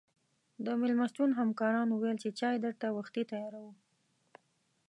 د مېلمستون همکارانو ویل چې چای درته وختي تیاروو.